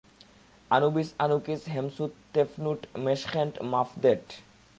Anubis, Anukis, Hemsut, Tefnut, Meskhenet, মাফদেট।